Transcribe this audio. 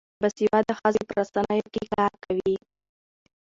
باسواده ښځې په رسنیو کې کار کوي.